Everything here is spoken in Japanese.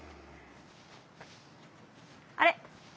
あれ？